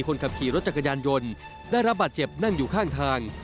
คนขับขี่รถจักรยานยนต์ได้รับบาดเจ็บนั่งอยู่ข้างทาง